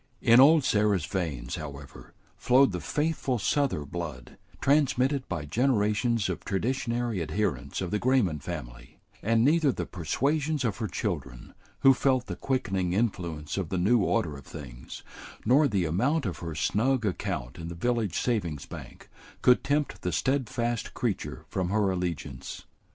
In old Sarah's veins, however, flowed the faithful Souther blood, transmitted by generations of traditionary adherents of the Grayman family; and neither the persuasions of her children, who felt the quickening influence of the new order of things, nor the amount of her snug account in the village savings bank, could tempt the steadfast creature from her allegiance.